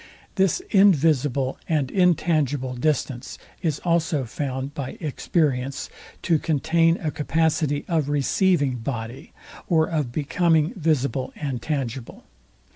This invisible and intangible distance is also found by experience to contain a capacity of receiving body, or of becoming visible and tangible.